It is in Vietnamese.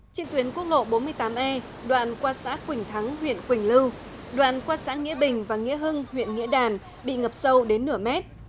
trên tuyến quốc lộ bốn mươi tám e đoạn qua xã quỳnh thắng huyện quỳnh lưu đoạn qua xã nghĩa bình và nghĩa hưng huyện nghĩa đàn bị ngập sâu đến nửa mét